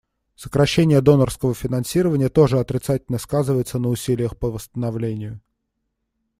Сокращение донорского финансирования тоже отрицательно сказывается на усилиях по восстановлению.